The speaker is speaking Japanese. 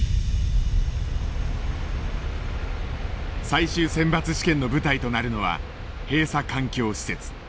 最終選抜試験の舞台となるのは閉鎖環境施設。